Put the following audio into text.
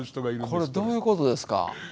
これ、どういうことですか。